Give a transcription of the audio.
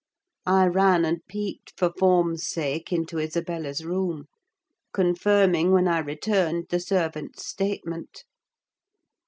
I ran and peeped, for form's sake, into Isabella's room; confirming, when I returned, the servant's statement.